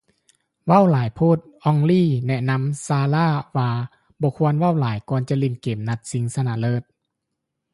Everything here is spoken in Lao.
ເວົ້າຫຼາຍໂພດ ອອງຣີ ແນະນຳ ຊາລາ ວ່າບໍ່ຄວນເວົ້າຫຼາຍກ່ອນຈະຫຼິ້ນເກມນັດຊິງຊະນະເລີດ